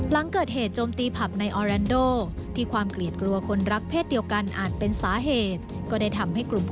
หลังเกิดเหตุโจมตีผับในออแรนโดที่ความเกลียดกลัวคนรักเพศเดียวกันอาจเป็นสาเหตุ